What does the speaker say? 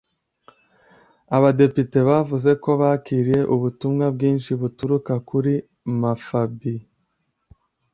Abadepite bavuze ko bakiriye ubutumwa bwinshi buturuka kuri Mafabi